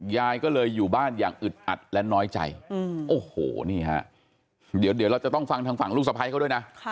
ยายก็เลยอยู่บ้านอย่างอึดอัดและน้อยใจโอ้โหนี่ฮะเดี๋ยวเราจะต้องฟังทางฝั่งลูกสะพ้ายเขาด้วยนะ